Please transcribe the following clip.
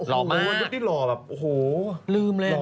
โบวะรุษที่หล่อแบบหลุมเลยกง่อน